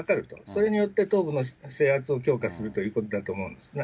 それによって、東部の制圧を強化するということだと思うんですね。